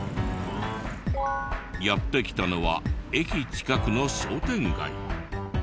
やって来たのは駅近くの商店街。